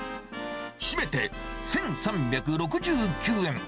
締めて１３６９円。